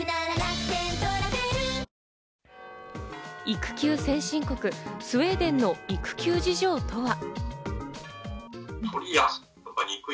育休先進国・スウェーデンの育休事情とは。